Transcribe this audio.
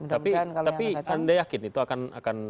tapi anda yakin itu akan